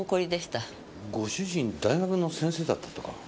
ご主人大学の先生だったとか？